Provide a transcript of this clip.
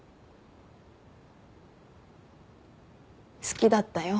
好きだったよ。